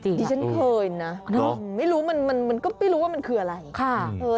ดิฉันเคยนะไม่รู้มันก็ไม่รู้ว่ามันคืออะไร